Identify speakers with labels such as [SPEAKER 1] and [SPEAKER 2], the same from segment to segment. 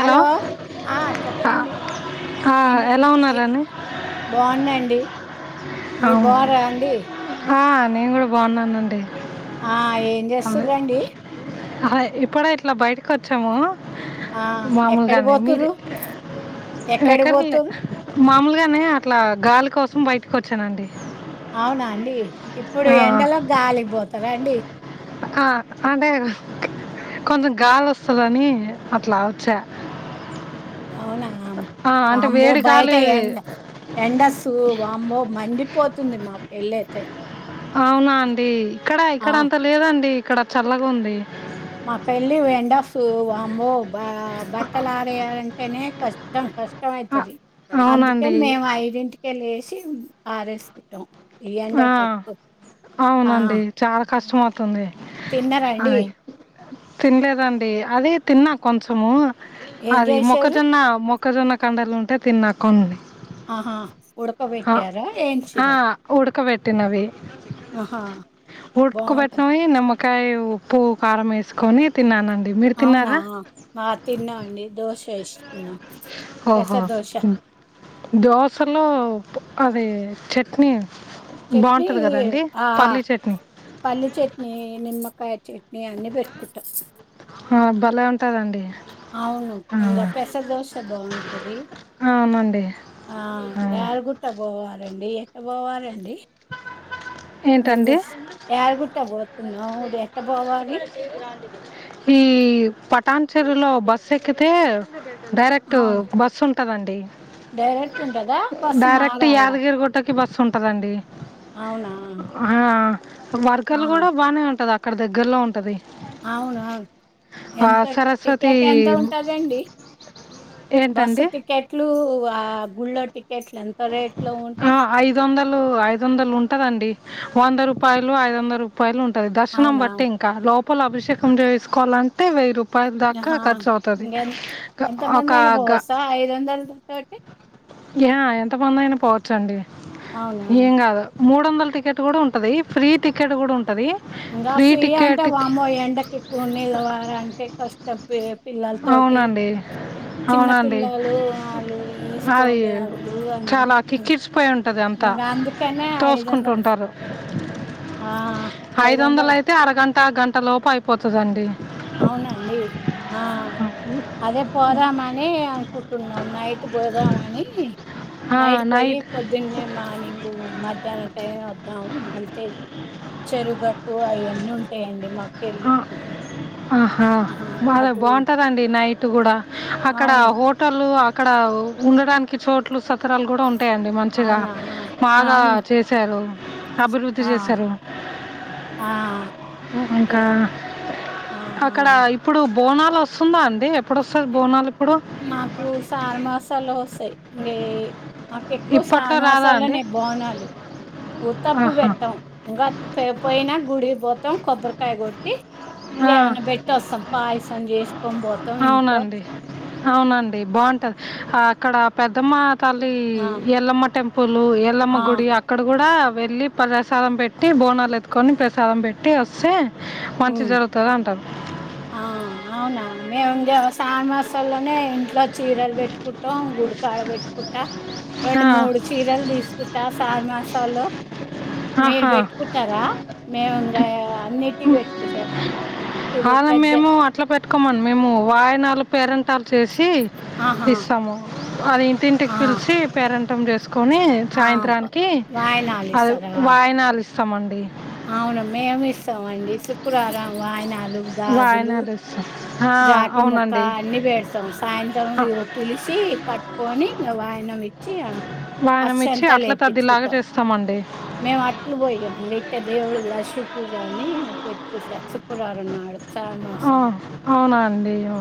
[SPEAKER 1] Hello ఆ
[SPEAKER 2] ఆ,
[SPEAKER 1] చెప్పండి
[SPEAKER 2] ఆ,
[SPEAKER 1] ఎ
[SPEAKER 2] ఎలా
[SPEAKER 1] ఎ
[SPEAKER 2] ఉన్నారండి
[SPEAKER 1] బాగునాఅండి మీ బాగు్రా అండి
[SPEAKER 2] ఆ, నేను కూడా బాగున్నానండి
[SPEAKER 1] ఆ ఏం
[SPEAKER 2] అదే
[SPEAKER 1] చేస్తురండి
[SPEAKER 2] అదే ఇప్పుడ ఇట్లా బయటకి వచ్చాము
[SPEAKER 1] ఆ ఎక్కడి
[SPEAKER 2] మామూలుగానే మీరు
[SPEAKER 1] పోతురు ఎక్కడి పోతురు
[SPEAKER 2] మామలుగానే అట్లా గాలి కోసం బయటకి వచ్చానండి
[SPEAKER 1] అవునా అండి ఇప్పుడు
[SPEAKER 2] ఆ,
[SPEAKER 1] ఎండలో గాలి పోత సరే అండి
[SPEAKER 2] ఆ అంటే కొంచెం గాలి వస్తుందని అట్లా వచ్చా
[SPEAKER 1] అవునా
[SPEAKER 2] ఆ, అంటే
[SPEAKER 1] వామ్మో
[SPEAKER 2] వేడి
[SPEAKER 1] బయట
[SPEAKER 2] గాలి
[SPEAKER 1] ఎండ ఎండస్సు వామ్మో మండి పోతుంది మాకు వెళ్ళైతే
[SPEAKER 2] అవునా అండి ఇక్కడ ఇక్కడ
[SPEAKER 1] అవు
[SPEAKER 2] అంతా లేదండి ఇక్కడ చల్లగా ఉంది
[SPEAKER 1] మకల్ని ఎండాస్ వామో బ బట్టలు ఆరేయాలంటేనే కష్టం కష్టం ష్టం
[SPEAKER 2] ఆ,
[SPEAKER 1] అయితది అందుకే
[SPEAKER 2] అవునండి
[SPEAKER 1] మేము ఐడింటికె లేసి సి ఆరెసు కుట్టాం
[SPEAKER 2] ఆ అవునండి చాలా కష్టం అవుతు తుంది
[SPEAKER 1] తిన్నరండి
[SPEAKER 2] తినలేదండి అదే తిన్నా కొంచము
[SPEAKER 1] ఏం
[SPEAKER 2] అది
[SPEAKER 1] చేశారు
[SPEAKER 2] మొక్కజొన్న మొక్క మొక్కజొన్న కండలు ఉంటే తిన్నా కొన్ని
[SPEAKER 1] ఆహా
[SPEAKER 2] ఆ
[SPEAKER 1] ఉడకబెట్టారా
[SPEAKER 2] ఆ
[SPEAKER 1] ఏంచిర్రా
[SPEAKER 2] ఉడకబెట్టినవి
[SPEAKER 1] బాగుంటది
[SPEAKER 2] ఉడుకబెట్టినవి నిమ్మ కాయ ఉప్పు కారం వేసుకొని తిన్నానండి మీరు
[SPEAKER 1] అవునా
[SPEAKER 2] తిన్నారా
[SPEAKER 1] ఆ తిన్నా అండి దోశ పెస్ష్ట్ ఉన్నా
[SPEAKER 2] ఓహో
[SPEAKER 1] ఎసా దోషా
[SPEAKER 2] దోశలో అది చట్నీ
[SPEAKER 1] చట్నీ
[SPEAKER 2] బాగుంటది కదండి
[SPEAKER 1] ఆ ఆ
[SPEAKER 2] పల్లీ చట్నీ
[SPEAKER 1] పల్లి చట్నీ నిమ్మకాయ చట్నీ అన్నిీ పెట్టుకుంటా
[SPEAKER 2] హ భలే ఉంటదండి
[SPEAKER 1] అవును ఇంకా పెసదోశ బాగుంటది
[SPEAKER 2] అవునండి
[SPEAKER 1] ఆ రుగుట్ట పోవాలి రంీ ఎట్టపోవాలండి
[SPEAKER 2] ఏంటండి
[SPEAKER 1] మీజస్ యాదరిగిగుట్టకు పోత నవుది ఎట్ట పోవాలి
[SPEAKER 2] ఈ పటాన్ చెరువులో బస్సు ఎక్కితే డైరెక్ట్
[SPEAKER 1] అవును
[SPEAKER 2] బస్ ఉ ఉంటదండి
[SPEAKER 1] డైరెక్ట్ ఉంటదా బస్సు
[SPEAKER 2] డైరెక్ట్
[SPEAKER 1] మారాలా
[SPEAKER 2] యాదగిరిగుట్టకి బస్సు ఉంటదండి
[SPEAKER 1] అవునా
[SPEAKER 2] ఆ
[SPEAKER 1] ఆ
[SPEAKER 2] మార్కాల్ కూడా బాగానే ఉంటది అక్ అక్కడ దగ్గరలో ఉంటది
[SPEAKER 1] అవునుఅవును
[SPEAKER 2] ఆ,
[SPEAKER 1] ఎంత
[SPEAKER 2] సరస్వతి
[SPEAKER 1] టికెట్ ఎంత ఉంటుందండి బస్సు
[SPEAKER 2] ఏంటండి
[SPEAKER 1] టికెట్లు ఆ గుళ్ళో టికె
[SPEAKER 2] ఆ ఐదు వందలు ఐదు వందలు ఉంటదండి వంద రూపాయలు ఐదు వందల రూపాయలు ఉంటు ది దర్శనం
[SPEAKER 1] అవునా
[SPEAKER 2] బట్టి ఇంకా లోప లోపల అభిషేం చేసుకోవాలంటే వెయ్యి రూపా
[SPEAKER 1] హా ఇంత ఎంత
[SPEAKER 2] ఒక
[SPEAKER 1] మంది ఐనా పోవచ్చ ఐదు వందల తోటి
[SPEAKER 2] యాహ ఎంత ఎంత మంది అయినా పోవచ్చండి
[SPEAKER 1] అవునా
[SPEAKER 2] ఏం కాదు మూడు వందల టికెట్ కూడా ఉంటది ఫ్రీ టికెట్ కూడా ఉంటది
[SPEAKER 1] ఇంకా ఫ్రీ అంటే వాబో ఎండకి ఎక్కువ నిలవాలంటే కష్ట పిల్లల తోటి
[SPEAKER 2] అవునండి
[SPEAKER 1] చిన్న
[SPEAKER 2] అవునండి
[SPEAKER 1] పిల్లలు వాళ్ళు వేసుకో
[SPEAKER 2] అది
[SPEAKER 1] బ్యాగులు అంది
[SPEAKER 2] చాలా చిికిట్సిపోయి ఉంటుంది అంతా
[SPEAKER 1] ఇంకా అందుకనే ఐదు వందలు
[SPEAKER 2] తోసుకుంటుంటారు
[SPEAKER 1] ఆ ఐదు వందలు
[SPEAKER 2] గంట గంట లోపు అయిపోతుందండి
[SPEAKER 1] అవునండి ఆ అదే పోదామని అనుకుంటున్నాం నైట్ పోదామని నైట్ పోయి పొద్దున్నే మార్నింగ మధ్యాహ్నం టైం వద్దాం అంతే చెరుగట్ టూ అవవన్నీ ఉంటాయండి మాకు పెళ్ళి
[SPEAKER 2] ఆ, ఆహా బాగ బాగుంటదండి నైట్ కూడా అక్కడ
[SPEAKER 1] అవును
[SPEAKER 2] హోటల్ అక్కడ ఉండడానికి చోట్లు స పస్తరాలు కూడా ఉంటాయండి మంచిగా
[SPEAKER 1] అవునా
[SPEAKER 2] బాగా
[SPEAKER 1] అవును
[SPEAKER 2] చేశారు అభివృద్ధి
[SPEAKER 1] ఆ
[SPEAKER 2] చేశారు
[SPEAKER 1] ఆ ఏ
[SPEAKER 2] ఇంకా అక్కడ
[SPEAKER 1] ఆహా
[SPEAKER 2] ఇప్పుడు బోనాలు వస్తుందా అండి ఎప్పుడు వస్తంది బోనాలు ఇప్పుడు
[SPEAKER 1] మాకు సార మాసాలు వస్తాయి ఇంే మాకుెక్కువ సార
[SPEAKER 2] ఇప్పట్లో రాదా అండి
[SPEAKER 1] మాసాలనే బోనాలు ఊత్తప్పుడు
[SPEAKER 2] ఆహా
[SPEAKER 1] పెట్టాం ఇంకా పోయినా గుడికి పోతాం కొబ్బరికాయ కొట్టి
[SPEAKER 2] ఆ,
[SPEAKER 1] ఏమన్నా పెట్టి వస్తాం పాయసం చేసుకొని పోతాం ఇంట్లో
[SPEAKER 2] అవునండి అవునండి బాగుంటది అక్కడ పెద్దమ్మ కాళలి
[SPEAKER 1] ఆ
[SPEAKER 2] ఎల్లమ్మ టెంపు పులు ఎల్లమ్మ
[SPEAKER 1] ఆ
[SPEAKER 2] గుడి అక్కడ కూడా వెళ్ళి ప్రసాద పెట్టి బోన లే కత్కొని ప్రసాదం పెట్టి వస్తే మంచి
[SPEAKER 1] ఉ
[SPEAKER 2] జరుగుతుంది అంటారు
[SPEAKER 1] ఆ అవునా మేము ఇంకా సాన్ మాసల్లోనే ఇం ఇట్లా చీరలు పెట్టుకుంటాం గుడికాయడ పెట్టుకుంటా రెండు
[SPEAKER 2] ఆ,
[SPEAKER 1] మూడు చీరలు తీసుకుంటా సార్ మసాలా మీరు
[SPEAKER 2] ఆహా
[SPEAKER 1] పెట్టుకుంటారా మేము ఇంకా అన్నిటి పెట్
[SPEAKER 2] అలా మేము అట్లా పెట్టుకోమండి మేము వాయిన వా పేరెంట్ాలు చేసి
[SPEAKER 1] ఆహా
[SPEAKER 2] ఇస్తాము అది ఇంటింటికి
[SPEAKER 1] ఆ
[SPEAKER 2] పిలిచి పేరెంట్ టం చేస్ కని
[SPEAKER 1] ఆ ప
[SPEAKER 2] సాయంత్రానికి
[SPEAKER 1] వాయినాలు
[SPEAKER 2] అ
[SPEAKER 1] ఇస్తారా?
[SPEAKER 2] వాయనాలుస్త సమడి
[SPEAKER 1] అవును మేమి ఇస్తామ అండి శుక్రవారం వాయనాలు గాజులు
[SPEAKER 2] వాయినాలు ఇస్తాం ఆ,
[SPEAKER 1] జాకెట్ ముక్క
[SPEAKER 2] అవునండి
[SPEAKER 1] అన్ని పెేడతాం సాయంత్రం
[SPEAKER 2] ఆ,
[SPEAKER 1] నువ పిలిచ కట్టుకొని వాయనం ఇచ్చి
[SPEAKER 2] వాయనం ఇచ్చి
[SPEAKER 1] అసంతా
[SPEAKER 2] అట్ల తద్దిలాగా
[SPEAKER 1] లేర్పించుకుంటాం
[SPEAKER 2] చేస్తామండి
[SPEAKER 1] మేము అట్లు పోయి దేవుడు లక్ష్మీ పూజని పెట్టుకుంటా శుక్రవారం నాడు
[SPEAKER 2] ఆ అవునా అండి అ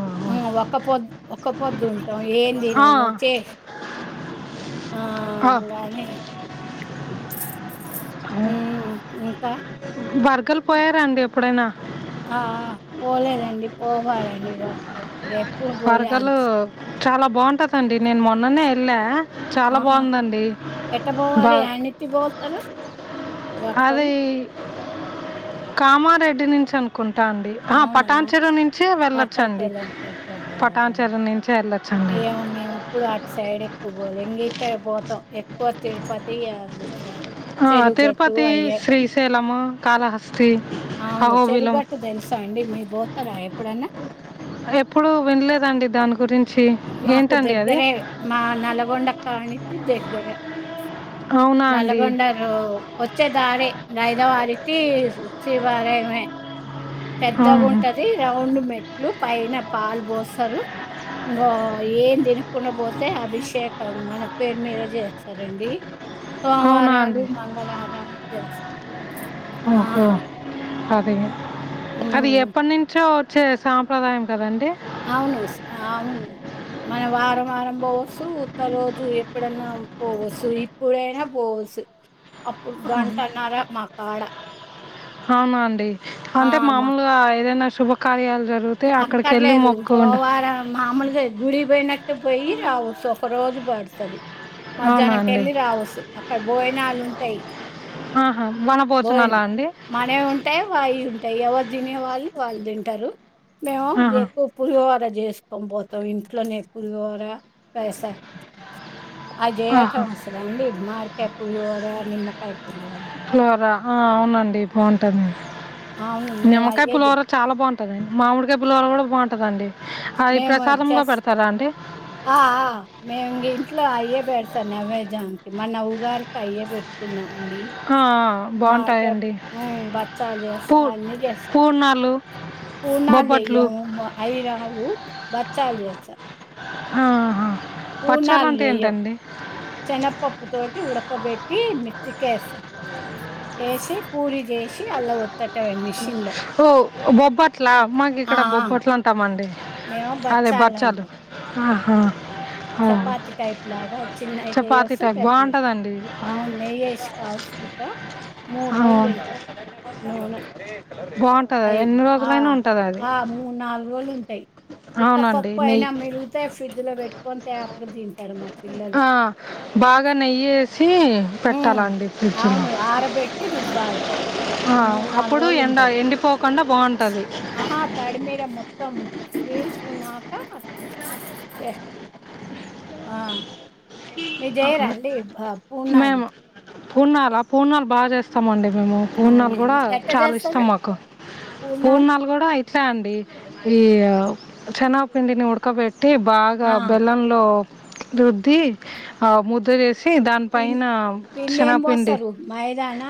[SPEAKER 1] ఒక పొద్దు ఒక పొద్దుం
[SPEAKER 2] ఆ.
[SPEAKER 1] ఏందినము చే ఆ
[SPEAKER 2] ఆ,
[SPEAKER 1] గానీ ఉ ఇంకా
[SPEAKER 2] బర్గలు పోయారండి ఎప్పుడైనా
[SPEAKER 1] ఆ ఆ పోలేదండి పోవాలండి బ
[SPEAKER 2] పరకలు చాలా బాగుంటందండి నేను మొన్ననే ఎళ్ళా
[SPEAKER 1] ఆహా ఎట్ట పోవాలి యాన్నితి పోతారు
[SPEAKER 2] అదీ కామారెడ్డి నుంచి అనుకుంటా పట్టండిఆ
[SPEAKER 1] అవునా!
[SPEAKER 2] పటాన్చరువు నుంచే వెళ్లొచ్చండి
[SPEAKER 1] పట్టాటెల్లం కట్ట
[SPEAKER 2] పటాన్
[SPEAKER 1] పోవాలా?
[SPEAKER 2] చెరువు నుంచే వెళ్లొచ్చండి
[SPEAKER 1] ఎంగతే పోతాం ఎక్కువ తిరుపతి యాదిగుట్ట
[SPEAKER 2] ఆ తిరుపతి శ్రీశైలము కాలహా
[SPEAKER 1] అవును చెరుగట్టు తెలుసా అండి మీరు పోత రా ప్పుడన్న
[SPEAKER 2] ఎప్పుడు వినలేదండి దాని గురించి
[SPEAKER 1] మాకు
[SPEAKER 2] ఏంటండి అది
[SPEAKER 1] దగ్గరే మా నల్గొండ కానించి దగ్గర
[SPEAKER 2] అవునా అండి
[SPEAKER 1] నల్గొండరు వచ్చే దారి ఐద వారి ఈ సీ బారేమ
[SPEAKER 2] ఆహా.
[SPEAKER 1] పెద్దగుంటది రౌండ్ మెట్లు పైన పాలు పోస్తారు ఇంగో ఏం తిన కున్న పోతే అభిషేకం మన పేరు మీర చేస్తారండి
[SPEAKER 2] అవునా
[SPEAKER 1] సోమారాలు
[SPEAKER 2] అండి
[SPEAKER 1] మంగళారాలు దేట్చు
[SPEAKER 2] ఓహో అదే అది
[SPEAKER 1] హ్మ్.
[SPEAKER 2] ఎప్ప నించో చ్చె సాంప్రదాయం కదండి
[SPEAKER 1] అవును అవును మనం వారం వారం పోవస్సు ఉత్త‌ రోజు ఎప్పుడన్నా పోవస్సు ఇప్పుడైనా పోవస్సు అప్పుడు గంటన్నర మాకాడ
[SPEAKER 2] అవునండి అంటే మామూలుగా ఏదైనా శుభకార్యాలు జరిగితే అక్కడికి వెళ్ళి
[SPEAKER 1] అక్కట్లేదు
[SPEAKER 2] మొక్కుకుంటా
[SPEAKER 1] పోవారం మామూలుగా గుడికి పొయినట్టే పొయ్యి రావస్సు ఒక రోజు పడుతది
[SPEAKER 2] అవునా అండి
[SPEAKER 1] మధ్యాహ్నంకెళ్ళి రావస్సు అక్కడ బోజనాల్ ఉం టయ్
[SPEAKER 2] ఆహా వనభోజనాలా
[SPEAKER 1] బోజనం
[SPEAKER 2] అండి
[SPEAKER 1] మనయ్ ఉంటయ్ వాయి ఉంటయ్ ఎవ తినే వాళ్ళు వాళ్ళు దింటరు మేము
[SPEAKER 2] ఆహా
[SPEAKER 1] గెక్కువ పులిహోర‌ జేస్కొని పోతం ఇంట్లోనే పులిహోర పైస
[SPEAKER 2] ఆహా
[SPEAKER 1] అజేయటం వస్తదా అండి మాడికాయ్ పులిహోర నిమ్మకాయ పులిహోర
[SPEAKER 2] పులిహోర ఆ అవునండి బావుంటది
[SPEAKER 1] అవును మేము
[SPEAKER 2] నిమ్మకాయ
[SPEAKER 1] అయ్యే చే
[SPEAKER 2] పులిహోర చాలా బాగుంటదండి మామిడికాయ పులిహోర కూడా బాంటదండి
[SPEAKER 1] మేమోచ్చెస్ ఆ ఆ మేము ఇంట్లో అయ్యే పెడతాం నవేద్యానికి మొన్న ఉగాదికి అయ్యే పెడ్ తిన్నం
[SPEAKER 2] ఆ బాగుంటాయండి
[SPEAKER 1] ఉమ్, బచ్చాలు
[SPEAKER 2] పూ పూర్ణాలు
[SPEAKER 1] పూర్ణాల్
[SPEAKER 2] బొబ్బట్లు
[SPEAKER 1] జెయ్యం బ అయి రావు బచ్చాల్ చేత్ స
[SPEAKER 2] ఆహా బచ్చాలు
[SPEAKER 1] పూర్ణాలు
[SPEAKER 2] అంటే
[SPEAKER 1] చెయ్యం
[SPEAKER 2] ఏంటండి
[SPEAKER 1] శనగపప్పు తోటి ఉడకబెట్టి మిత్తికెస్తం ఏసి పూరి జేషి అల్ల వత్
[SPEAKER 2] ఓ బొబ్బట్లా మాకు
[SPEAKER 1] ఆ
[SPEAKER 2] ఇక్కడ
[SPEAKER 1] ఆ,
[SPEAKER 2] బొబ్బట్లు అంటామండి
[SPEAKER 1] మేము
[SPEAKER 2] అదే బచ్చాలు
[SPEAKER 1] అంటాం
[SPEAKER 2] ఆహా ఆ,
[SPEAKER 1] చపాతి టైప్ లాగా చిన్నవి
[SPEAKER 2] చపాతీ
[SPEAKER 1] చెయ్యొస్త
[SPEAKER 2] టైప్
[SPEAKER 1] పెద్దయి
[SPEAKER 2] బాగుంటుందండి
[SPEAKER 1] అవును నెయ్యేసి కాల్చుకుంటం మూడు రోజులు తింటాం నూనె
[SPEAKER 2] బే
[SPEAKER 1] అయి ఆ
[SPEAKER 2] అది
[SPEAKER 1] ఆ మూడ్ నాలుగు రోజులు ఉంటయి ఉత్త
[SPEAKER 2] అవునండి
[SPEAKER 1] పప్పు అయినా
[SPEAKER 2] నెయ్యి
[SPEAKER 1] మిగులుతే ఫ్రిడ్జ్ లో పెట్టుకొని తేపకి తింటరు‌ మా పిల్లలు
[SPEAKER 2] ఆ బాగా నెయ్యేసి
[SPEAKER 1] హ్మ్.
[SPEAKER 2] పెట్టాలండి ఫ్రిడ్జ్ లో
[SPEAKER 1] అవును. ఆరబెట్టి రుబ్బాలి పప్పు.
[SPEAKER 2] ఆ
[SPEAKER 1] మూ
[SPEAKER 2] అప్పుడు ఎండ
[SPEAKER 1] రోజులుంటది.
[SPEAKER 2] ఎండిపో కుండా బావుం
[SPEAKER 1] ఆహా తడి మీద మొత్తం పీల్చుకున్నా హ చ్ ఆ మీర్ చేయరాండి ప పూర్ణాలు
[SPEAKER 2] పూర్ణాలా పూర్ణాలు బాచేస్తమండి మేము
[SPEAKER 1] అవునా!
[SPEAKER 2] పూర్ణల్గుడా
[SPEAKER 1] ఎట్ట
[SPEAKER 2] చాలా ఇష్టం
[SPEAKER 1] జేస్తారు
[SPEAKER 2] మాకు
[SPEAKER 1] పూర్ణాలు?
[SPEAKER 2] పూర్ణల్గుడా ఇట్లే అండి ఈ చెనగ పిండిని ఉడ్కబెట్ టి బాగా
[SPEAKER 1] ఆ!
[SPEAKER 2] బెల్లంలో రుద్ధి! ఆ ముద్ద
[SPEAKER 1] పిం
[SPEAKER 2] దానిపైన
[SPEAKER 1] పిండేం
[SPEAKER 2] శనపిండి
[SPEAKER 1] బోస్తారు? మైదానా?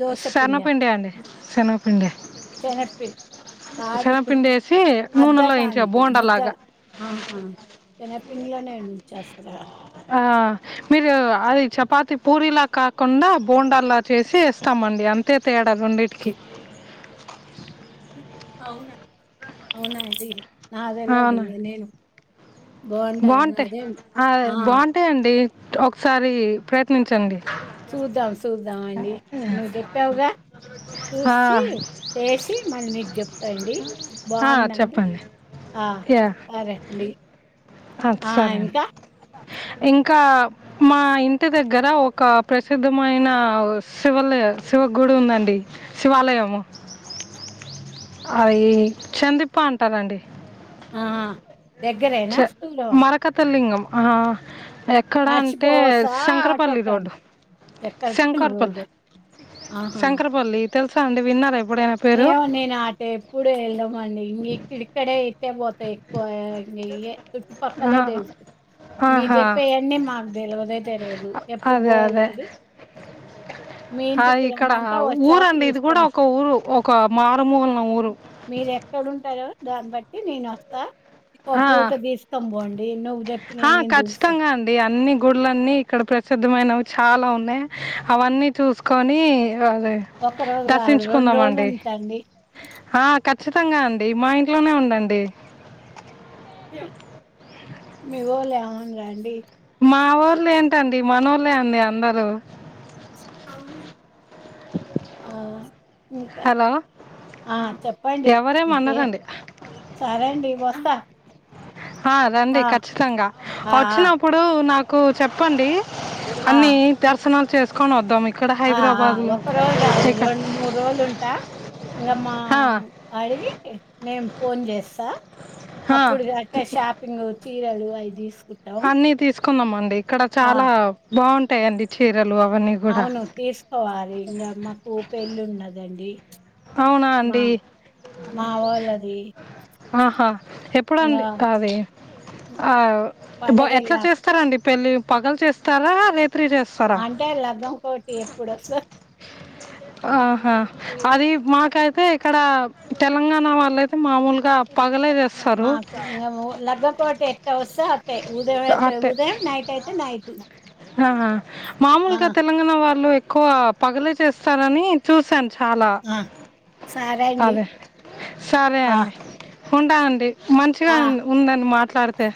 [SPEAKER 1] దోస
[SPEAKER 2] శనపిండి అండి శనగ్ పిండి
[SPEAKER 1] చెనగపిండి కాదు
[SPEAKER 2] వేసి నూనెలో వేయించా
[SPEAKER 1] అద్దటానికి ముద్ద
[SPEAKER 2] బోండాలాగా
[SPEAKER 1] ఆహా చెనగపిండిలోనే చెస్తరా
[SPEAKER 2] ఆహ్ మీరు అది చపాతి పూరిలా కాకుండా బోండాలా చేసి ఇస్తామండి అంతే తేడా రెండిటికి
[SPEAKER 1] అవునా అవునాండి నాదేలా
[SPEAKER 2] అవునండి
[SPEAKER 1] ఒదింది నేను బావుంటాది
[SPEAKER 2] బాగుంటాయి
[SPEAKER 1] అదే
[SPEAKER 2] ఆహా
[SPEAKER 1] ఆ!
[SPEAKER 2] బాగుంటాయి అండి ఒకసారి ప్రయత్నించండి.
[SPEAKER 1] చూద్దాం సూద్దాండి నువ్వు చెప్పావుగా
[SPEAKER 2] ఆ,
[SPEAKER 1] చూసి టేసి మళ్ళీ నీక్ చెప్ టండి
[SPEAKER 2] ఆ,
[SPEAKER 1] బాగుందంటే
[SPEAKER 2] చెప్పండి
[SPEAKER 1] ఆహ్ సరేండి
[SPEAKER 2] అహ్ సరేండి ఇంకా మా ఇంటి దగ్గర ఒక ప్రసిద్ధమైన ఓ శివలయ్ శివ గుడుందండి శివాలయము అయి చందిప్ప అంటారండి
[SPEAKER 1] ఆహ్
[SPEAKER 2] చ మరకత్తలింగం ఆహ్ ఎక్కడంటే
[SPEAKER 1] మర్చిపోవసా
[SPEAKER 2] శంకరపల్లి
[SPEAKER 1] ఆటోకని
[SPEAKER 2] రోడ్డు
[SPEAKER 1] చక్కరపల్లి
[SPEAKER 2] శంకొర్పల్లి
[SPEAKER 1] రోడ్. ఆహా!
[SPEAKER 2] శంకరపల్లి తెలుసాండి విన్నారేం
[SPEAKER 1] ఏమో నేను అటెప్పుడు వెళ్ళమండి ఇంగిక్కడిక్కడే ఇటేపోత ఎక్కువ ఇంక ఇయ్యే
[SPEAKER 2] ఆ,
[SPEAKER 1] చుట్టుపక్కలే తెలుసు మీరు
[SPEAKER 2] ఆహా
[SPEAKER 1] చెప్పేవన్నీ మాకు తెల్వదే తెల్వదు ఎప్పుడు
[SPEAKER 2] అదే అదే
[SPEAKER 1] పోలేదు మీ
[SPEAKER 2] ఆ,
[SPEAKER 1] ఇంటికి
[SPEAKER 2] ఇక్కడ
[SPEAKER 1] రమ్మంటే వస్తాం తీస్తాం
[SPEAKER 2] కామ
[SPEAKER 1] మీరు ఎక్కడుంటార దాన్ని బట్టి నేను వస్తా ఇ
[SPEAKER 2] ఆ,
[SPEAKER 1] పూట తీస్తకం పోండి నువ్వు
[SPEAKER 2] ఆ
[SPEAKER 1] చెప్పినయి నేను చూస్తా
[SPEAKER 2] ఖచ్చితంగా అండి అన్ని గుళ్లన్నీ ఇక్కడ ప్రసిద్ధమైనవి చాలా ఉన్నాయి్ అవన్నీ చూసుకొని అదే
[SPEAKER 1] ఒక్క రోజు కాదు రెండు
[SPEAKER 2] దర్శించుకుందామ
[SPEAKER 1] రోజులు
[SPEAKER 2] అండి
[SPEAKER 1] ఉంటాండి
[SPEAKER 2] ఖచ్చితంగా అండి మా ఇంట్లోనే ఉండండి.
[SPEAKER 1] మీగో లేమన రండి.
[SPEAKER 2] మా ఊళ్ళ ఏంటండి మన ఊళ్లే అడి అందరూ
[SPEAKER 1] ఆ ఇంకా
[SPEAKER 2] హలో
[SPEAKER 1] ఆ చెప్పండి. ఇంకే
[SPEAKER 2] ఎవరేమనరండి
[SPEAKER 1] సరే అండి వస్తా.
[SPEAKER 2] ఆ రండి ఖచ్చితంగా
[SPEAKER 1] ఆ
[SPEAKER 2] వచ్చినప్పుడు నాకు కు చెప్పండి
[SPEAKER 1] ఆ
[SPEAKER 2] అన్ని తెర్సనలు చేసుకొని వద్దాంకు
[SPEAKER 1] ఆ ఒక రోజు కాదు, రెండు మూడు రోజులు ఉంటా ఇంకామ్ మా
[SPEAKER 2] ఆ
[SPEAKER 1] అడిగి నేం ఫోన్ చేస్తా
[SPEAKER 2] ఆ
[SPEAKER 1] అప్పుడు అట్టే షాపింగ్ అవు చీరలు ఐదుసు
[SPEAKER 2] అన్నీ తీసుకు కుందంమండి. ఇక్కడ చాలా
[SPEAKER 1] ఆ!
[SPEAKER 2] బాగుంటు ఉండి చే
[SPEAKER 1] అవును తీసుకోవాలి. ఇంకా మాకు పెళ్ళి ఉన్నదండి.
[SPEAKER 2] అవునా అండి
[SPEAKER 1] మా అవునా? వోళ్ళది.
[SPEAKER 2] ఆహా
[SPEAKER 1] ఇంగా
[SPEAKER 2] ఎప్పుడుండి. అది ఆ ఎట్లా
[SPEAKER 1] పండగెళ్ళాక.
[SPEAKER 2] చేస్తారంండి పెళ్ళి పగలు చేస్తారా రేపు
[SPEAKER 1] అంటే లగ్ంకోటి ఎప్పుడుస
[SPEAKER 2] ఆహా అది మాకైతే ఇక్కడ తెలంగాణ వాళ్ళ అయితే మామూలుగా ప
[SPEAKER 1] ల్గకోట ఎట్ట వర్స అతే ఉదయం అయితే ఉదయం నైట్ అయితే, నైట్
[SPEAKER 2] ఆా మామూలుగా తెలంగాణ వాళ్ళు ఎక్కువ పగలే చేస్తనని చూసాను. చాలా
[SPEAKER 1] ఆ! సరే అండి.
[SPEAKER 2] అదే సరే
[SPEAKER 1] ఆ!
[SPEAKER 2] అండి ఉంటా అండి మంచిగా
[SPEAKER 1] ఆ!
[SPEAKER 2] ఉందని మాట కతే